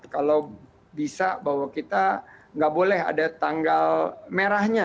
kalau bisa bahwa kita nggak boleh ada tanggal merahnya